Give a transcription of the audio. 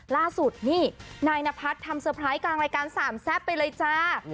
ล่าสุดนี่นะนายนะภัทรทำเเสาร์ไพร้กลางรายการ๓แซ่บไปเลยจ้า